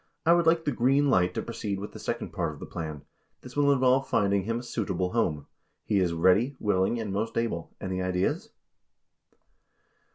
I would like the "green light" to proceed with the second part of the plan. This will involve finding him a "suitable" home. He is ready, willing, and most able. Any ideas?